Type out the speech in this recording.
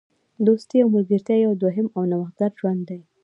دوستي او ملګرتیا یو دوهم او نوښتګر ژوند دی.